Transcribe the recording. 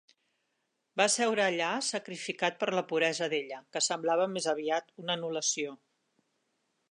Va seure allà sacrificat per la puresa d'ella, que semblava més aviat una anul·lació.